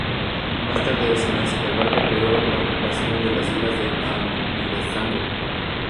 Más tarde de ese mes, el barco apoyó la ocupación de las islas Almirantazgo.